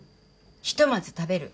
ひとまず食べる。